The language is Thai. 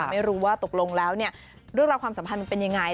ไม่รู้ว่าตกลงแล้วเนี่ยเรื่องราวความสัมพันธ์มันเป็นยังไง